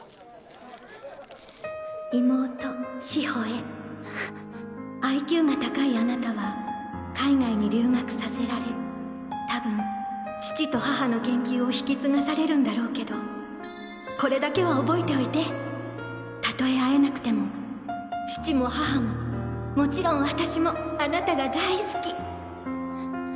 「妹志保へＩＱが高いあなたは海外に留学させられ多分父と母の研究を引き継がされるんだろうけどこれだけは覚えておいてたとえ会えなくても父も母ももちろん私もあなたが大好き！